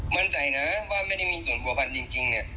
มั่นใจนะว่าไม่ได้มีส่วนผัวพันธ์จริงเนี่ย